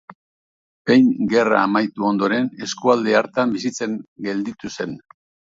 Behin gerra amaitu ondoren eskualde hartan bizitzen gelditu zen.